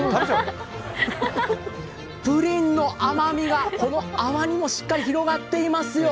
プリンの甘みがこの泡にもしっかり広がっていますよ。